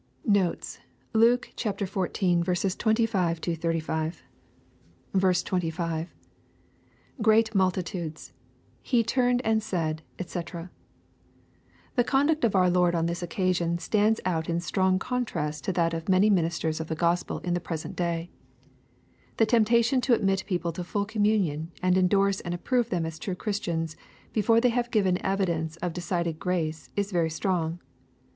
LUKE^ CHAP. XIV. 171 NoTE& Ltke XIV. 25—35. 25. — [Great multitude8...he turned and saidj dec] The conduct of our Lord on this occasion stands out in strong contrast to that of many ministers of the Gospel, in the present day. The temptation to admit people to full communion, and endorse and approve them as true Christians, before they have given evi dence of decided grace, is very strong.